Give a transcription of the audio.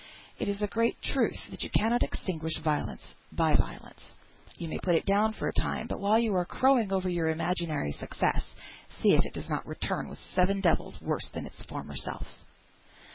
It is a great truth, that you cannot extinguish violence by violence. You may put it down for a time; but while you are crowing over your imaginary success, see if it does not return with seven devils worse than its former self!